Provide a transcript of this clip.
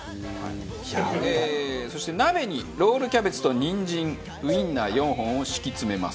そして鍋にロールキャベツとニンジンウィンナー４本を敷き詰めます。